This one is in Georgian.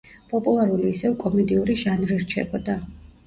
პოპულარული ისევ კომედიური ჟანრი რჩებოდა.